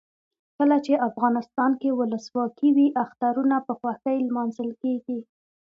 کله چې افغانستان کې ولسواکي وي اخترونه په خوښۍ لمانځل کیږي.